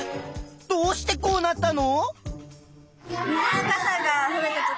どうしてこうなったの？